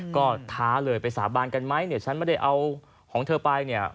ก็ท้าเลยไปสาบานกันไหมเนี่ยฉันไม่ได้เอาของเธอไปเนี่ย